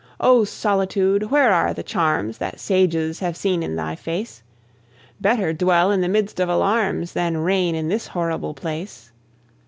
O Solitude! where are the charms That sages have seen in thy face? Better dwell in the midst of alarms Than reign in this horrible place.